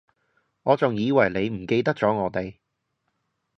我仲以為你唔記得咗我哋